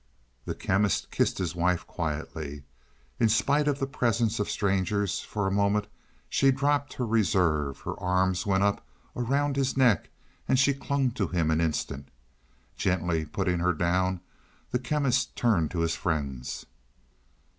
The Chemist kissed his wife quietly. In spite of the presence of strangers, for a moment she dropped her reserve, her arms went up around his neck, and she clung to him an instant. Gently putting her down, the Chemist turned to his friends.